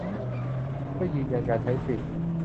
เพื่อยืนยันการใช้สิทธิ